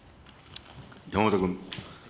山本君。